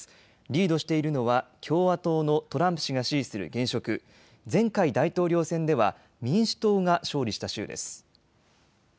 リードしているのは共和党のトランプ氏が支持する現職、前回、大統領選では民主党が勝利した州です。